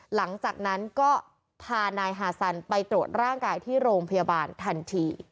หลังจากนั้นก็พานายฮาซันไปตรวจร่างกายที่โรงพยาบาลทันที